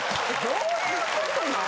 どういう事なん！？